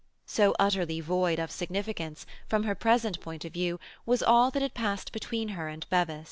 So utterly void of significance, from her present point of view, was all that had passed between her and Bevis.